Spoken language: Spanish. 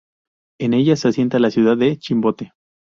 En ella se asienta la ciudad de Chimbote.